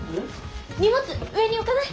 荷物上に置かない？